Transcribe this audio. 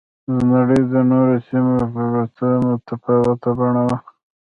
د نړۍ د نورو سیمو په پرتله متفاوته بڼه وه